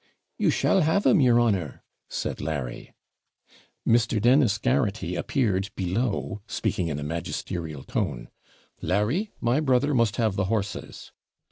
'You shall have 'em your honour,' said Larry. Mr. Dennis Garraghty appeared below, speaking in a magisterial tone. 'Larry, my brother must have the horses.'